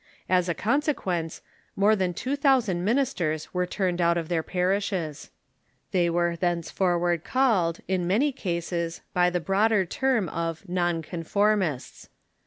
As a consequence, more than two thousand ministers were turned out of their parishes.* They were thenceforward called, in many cases, by the broad er term of Non conformists.